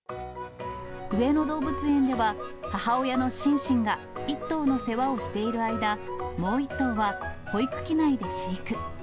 上野動物園では、母親のシンシンが１頭の世話をしている間、もう１頭は保育器内で飼育。